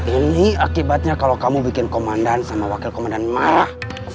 ini akibatnya kalau kamu bikin komandan sama wakil komandan marah